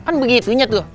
kan begitunya tuh